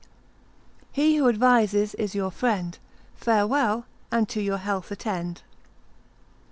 He who advises is your friend Farewell, and to your health attend.